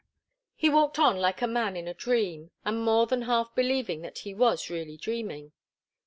He walked on like a man in a dream, and more than half believing that he was really dreaming.